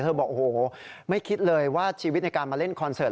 บอกโอ้โหไม่คิดเลยว่าชีวิตในการมาเล่นคอนเสิร์ต